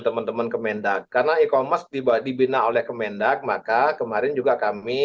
teman teman kemendak karena e commerce tiba dibina oleh kemendak maka kemarin juga kami